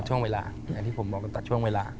ช่วงเวลาอย่างที่ผมบอกกันตัดช่วงเวลา